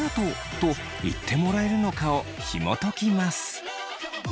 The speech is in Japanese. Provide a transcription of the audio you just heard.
と言ってもらえるのかをひもときます。